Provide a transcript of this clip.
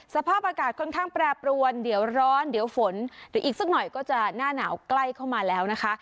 สภาพอากาศค่อนข้างแปรปรวนเดี๋ยวร้อนเดี๋ยวฝนหรืออีกสักหน่อยก็จะหน้าหนาวใกล้เข้ามาแล้วนะคะ